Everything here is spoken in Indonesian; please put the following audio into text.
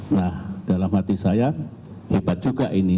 nah dalam hati saya hebat juga ini